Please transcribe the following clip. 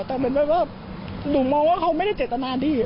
แต่เหมือนแบบว่าหนูมองว่าเขาไม่ได้เจตนาดี